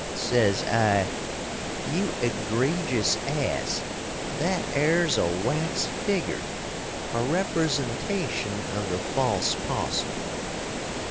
Sez I, "You egrejus ass that air's a wax figger a representashun of the false 'Postle."